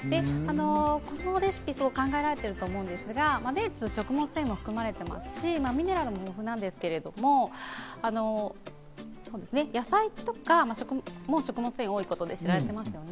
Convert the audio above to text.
このレシピ、よく考えられていると思うんですが、食物繊維も含まれていて、ミネラルも豊富なデーツですけど、野菜とかも食物繊維が多いということで知られていますね。